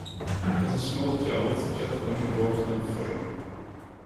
As a small child, Chad owned a horse named Fern.